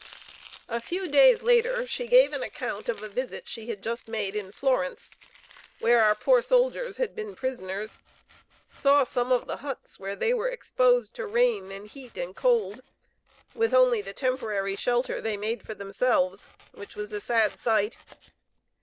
A few days later she gave an account of a visit she had just made in Florence, where our poor soldiers had been prisoners; saw some of the huts where they were exposed to rain and heat and cold with only the temporary shelter they made for themselves, which was a sad sight.